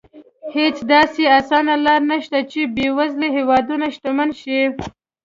هېڅ داسې اسانه لار نه شته چې بېوزله هېوادونه شتمن شي.